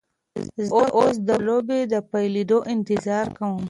زه اوس د لوبې د پیلیدو انتظار کوم.